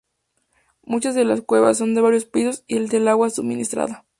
Muchas de las cuevas son de varios pisos y el agua suministrada.